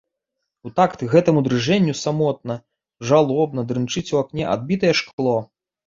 У такт гэтаму дрыжэнню самотна, жалобна дрынчыць у акне адбітае шкло.